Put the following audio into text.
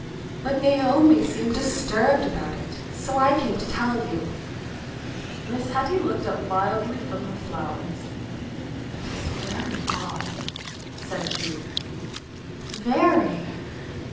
"But Naomi seemed disturbed about it, so I came to tell you." Miss Hetty looked up mildly from her flowers. "'Tis very odd," said she. "Very.